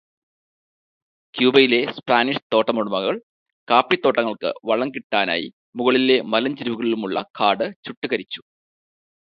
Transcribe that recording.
ക്യൂബയിലെ Spanish തോട്ടമുടമകൾ കാപ്പിതോട്ടങ്ങൾക്ക് വളം കിട്ടാനായി മുകളിൽ മലഞ്ചെരുവുകളിലുമുള്ള കാട് ചുട്ടുകരിച്ചു.